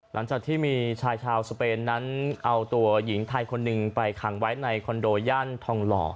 หลังจากที่มีชายชาวสเปนนั้นเอาตัวหญิงไทยคนหนึ่งไปขังไว้ในคอนโดย่านทองหล่อ